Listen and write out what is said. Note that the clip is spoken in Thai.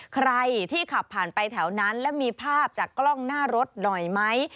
ใครที่ขับผ่านไปแถวนั้นและมีภาพจากกล้องหน้ารถหน่อยไหม